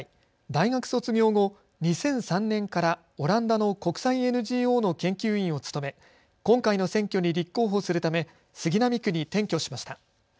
大学卒業後、２００３年からオランダの国際ＮＧＯの研究員を務め今回の選挙に立候補するため杉並区に転居しました。